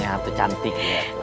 yang satu cantik